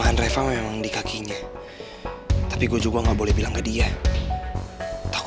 karena kan memang di kakinya tapi gua juga nggak boleh bilang nggak dikatakan